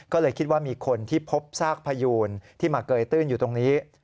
ก็เลยคิดว่ามีคนที่พบซากพยูนที่มาเกยตื้นอยู่ตรงนี้